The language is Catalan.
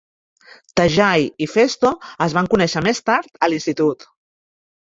Tajai i Phesto es van conèixer més tard, a l'institut.